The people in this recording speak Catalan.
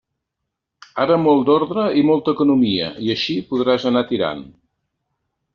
Ara molt d'ordre i molta economia, i així podràs anar tirant.